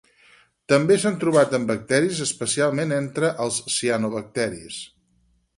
També s'han trobat en bacteris, especialment entre els cianobacteris.